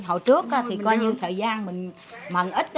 hồi trước thì coi như thời gian mình mận ít